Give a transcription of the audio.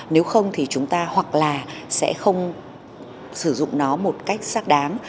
nếu không thì chúng ta hoặc là sẽ không sử dụng nó một cách xác đáng